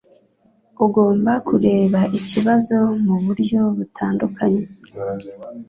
Ugomba kureba ikibazo muburyo butandukanye.